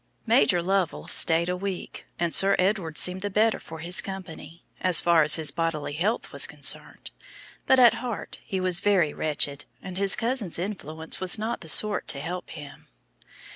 Major Lovell stayed a week, and Sir Edward seemed the better for his company, as far as his bodily health was concerned. But at heart he was very wretched, and his cousin's influence was not the sort to help him.